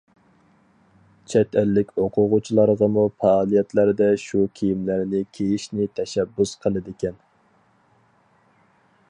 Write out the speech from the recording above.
چەت ئەللىك ئوقۇغۇچىلارغىمۇ پائالىيەتلەردە شۇ كىيىملەرنى كىيىشنى تەشەببۇس قىلىدىكەن.